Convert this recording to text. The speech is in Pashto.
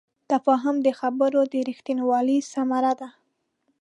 تفاهم د خبرو د رښتینوالي ثمره ده.